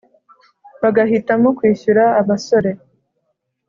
bagahitamo kwishyura abasore.